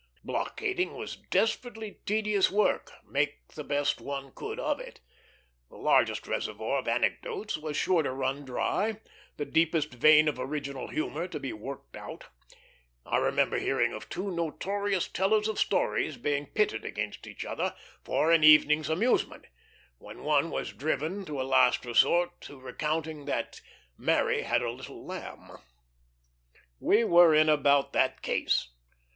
Blockading was desperately tedious work, make the best one could of it. The largest reservoir of anecdotes was sure to run dry; the deepest vein of original humor to be worked out. I remember hearing of two notorious tellers of stories being pitted against each other, for an evening's amusement, when one was driven as a last resource to recounting that "Mary had a little lamb." We were in about that case.